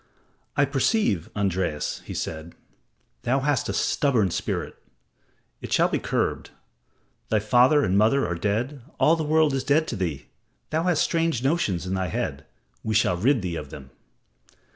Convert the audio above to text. "I perceive, Andreas," he said, "thou hast a stubborn spirit. It shall be curbed. Thy father and mother are dead all the world is dead to thee. Thou hast strange notions in thy head. We shall rid thee of them."